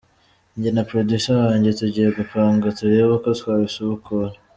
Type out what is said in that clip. Njye na Producer wanjye tugiye gupanga turebe uko twabisubukura.